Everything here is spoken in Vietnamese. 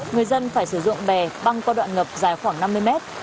người dân phải sử dụng bè băng qua đoạn ngập dài khoảng năm mươi mét